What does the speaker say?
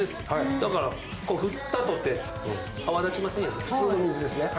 だから、振ったとて変わりませんよね。